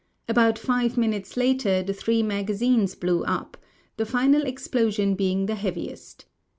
About five minutes later the three magazines blew up, the final ex])losion being the heaviest.